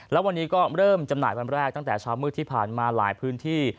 แล้ววันนี้ก็เริ่มจำหน่ายวันแรกตั้งแต่เช้ามืดที่ผ่านมาหลายพื้นที่